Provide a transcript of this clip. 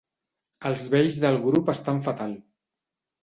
Els vells del grup estan fatal.